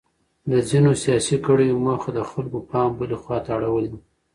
د ځینو سیاسي کړیو موخه د خلکو پام بلې خواته اړول دي.